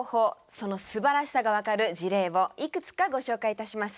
そのすばらしさが分かる事例をいくつかご紹介いたします。